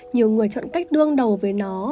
nhiều người chọn cách đương đầu với nó